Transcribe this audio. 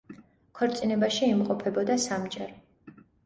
ქორწინებაში იმყოფებოდა სამჯერ.